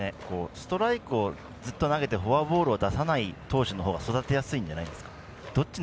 ストライクをずっと投げてフォアボールは出さない投手のほうが育てやすいんじゃないですか？